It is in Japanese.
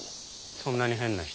そんなに変な人？